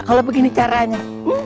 kalau begini caranya